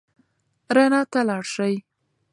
رڼا ته لاړ شئ.